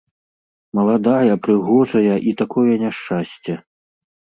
Маладая, прыгожая, і такое няшчасце!